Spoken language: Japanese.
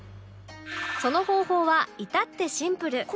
その方法は至ってシンプル